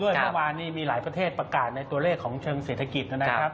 เมื่อวานนี้มีหลายประเทศประกาศในตัวเลขของเชิงเศรษฐกิจนะครับ